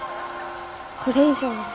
これ以上は。